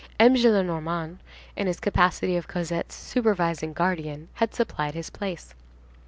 M. Gillenormand, in his capacity of Cosette's supervising guardian, had supplied his place.